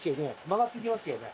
曲がってきますよね。